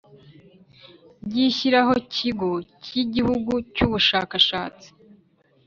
rishyiraho Kigo cy Igihugu cy Ubushakashatsi